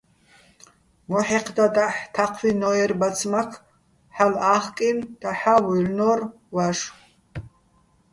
მოჰ̦ეჴდა დაჰ̦ თაჴვინო́ერ ბაცმაქ, ჰ̦ალო̆ ა́ხკინო̆, დაჰ̦ა́ ვუჲლლნო́რ ვაშო̆.